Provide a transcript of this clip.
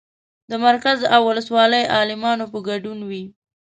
د مرکز او ولسوالۍ عالمانو په ګډون وي.